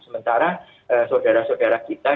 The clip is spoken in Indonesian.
sementara saudara saudara kita